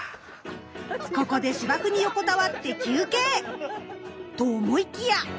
ここで芝生に横たわって休憩！と思いきや。